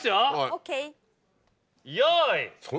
ＯＫ。